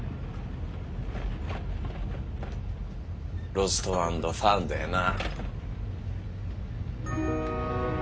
ロストアンドファウンドやな。